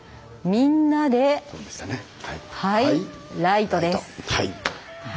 「みんなでハイライト」です。